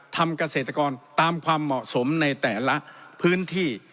เกษตรกรตามความเหมาะสมในแต่ละพื้นที่